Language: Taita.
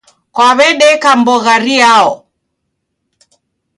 Kwaw'adeka mbogha riao?